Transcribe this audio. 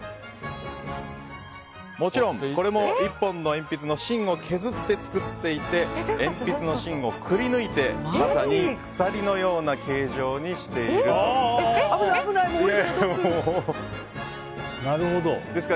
もちろんこれも１本の鉛筆の芯を削って作っていて鉛筆の芯をくりぬいてまさに鎖のような形状にしているんです。